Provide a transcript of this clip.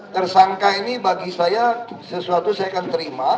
tersangka ini bagi saya sesuatu saya akan terima